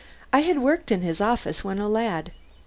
I had worked in his office when a lad.